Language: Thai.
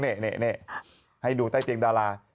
นี่นี่นี่ให้ดูใต้เตียงดารา